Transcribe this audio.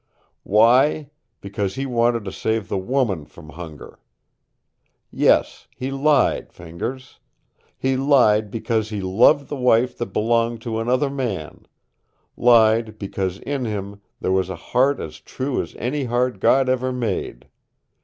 Why? Because he wanted to save the woman from hunger! Yes, he lied, Fingers. He lied because he loved the wife that belonged to another man lied because in him there was a heart as true as any heart God ever made.